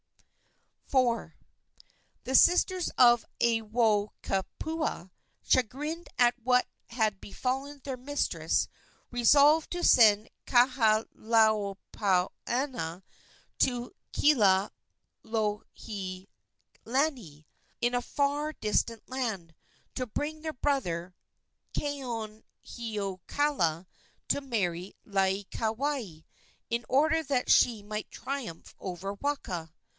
IV. The sisters of Aiwohikupua, chagrined at what had befallen their mistress, resolved to send Kahalaomapuana to Kealohilani, in a far distant land, to bring their brother, Kaonohiokala, to marry Laieikawai, in order that she might triumph over Waka.